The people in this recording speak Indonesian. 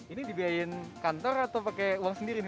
ini dibiayain kantor atau pakai uang sendiri